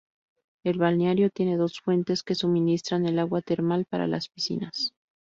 El balneario tiene dos fuentes, que suministran el agua termal para las piscinas.